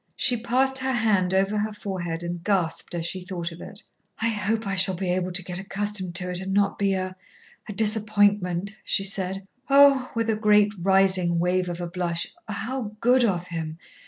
She passed her hand over her forehead and gasped as she thought of it. "I hope I shall be able to get accustomed to it and not be a a disappointment," she said. "Oh!" with a great rising wave of a blush, "how good of him!